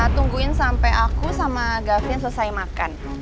tungguin sampai aku sama gavin selesai makan